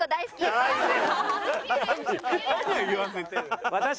何を言わせてるの。